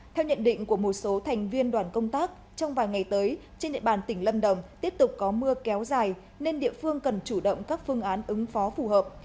theo nhận định của một số thành viên đoàn công tác trong vài ngày tới trên địa bàn tỉnh lâm đồng tiếp tục có mưa kéo dài nên địa phương cần chủ động các phương án ứng phó phù hợp